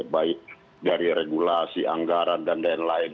baik dari regulasi anggaran dan lain lain